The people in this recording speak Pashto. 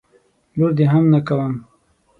لور دي هم نه کوم.